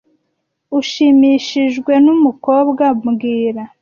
Ushimishijwe n mukobwa mbwira